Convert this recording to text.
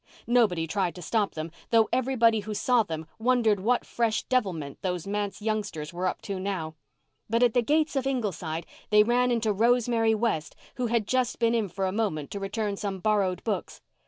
Nobody tried to stop them, though everybody who saw them wondered what fresh devilment those manse youngsters were up to now. But at the gate of Ingleside they ran into Rosemary West, who had just been in for a moment to return some borrowed books.